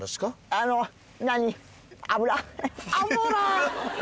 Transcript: あの何脂？